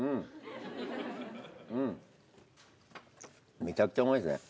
めちゃくちゃうまいですね。